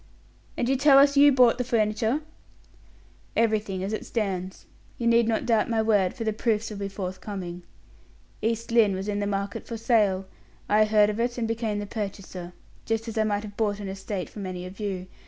"And you tell us you bought the furniture?" "Everything as it stands. You need not doubt my word, for the proofs will be forthcoming. East Lynne was in the market for sale; I heard of it, and became the purchaser just as I might have bought an estate from any of you.